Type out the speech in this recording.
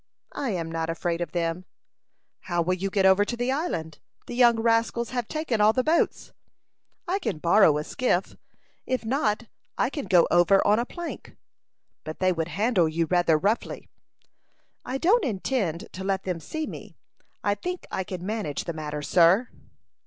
"I am not afraid of them." "How will you get over to the island? The young rascals have taken all the boats." "I can borrow a skiff; if not, I can go over on a plank." "But they would handle you rather roughly." "I don't intend to let them see me. I think I can manage the matter, sir."